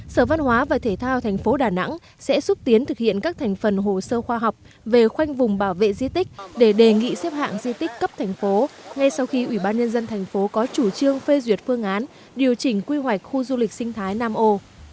sở văn hóa và thể thao thành phố đà nẵng sẽ xúc tiến thực hiện các thành phần hồ sơ khoa học về khoanh vùng bảo vệ di tích để đề nghị xếp hạng di tích cấp thành phố ngay sau khi ủy ban nhân dân thành phố có chủ trương phê duyệt phương án điều chỉnh quy hoạch khu du lịch sinh thái nam ô